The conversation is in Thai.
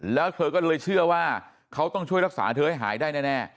แล้วเธอก็เลยเชื่อว่าเขาต้องช่วยรักษาเธอให้หายได้แน่